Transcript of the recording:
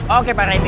oke pak ready